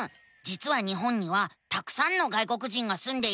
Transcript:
じつは日本にはたくさんの外国人がすんでいるのさ。